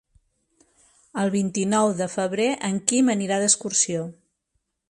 El vint-i-nou de febrer en Quim anirà d'excursió.